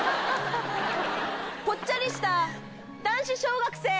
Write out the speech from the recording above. ぽっちゃりした男子小学生。